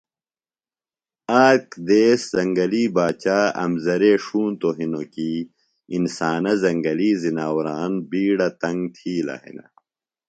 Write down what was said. آک دیس زنگلی باچا امزرے ݜُونتوۡ ہنوۡ کیۡ انسانہ زنگلی زناوران بیڈہ تنگ تِھیلہ ہِنہ